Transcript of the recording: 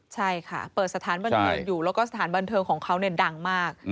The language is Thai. ใช่ค่ะเปิดสถานบันเทิงอยู่แล้วก็สถานบันเทิงของเขาดังมาก